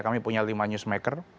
kami punya lima newsmaker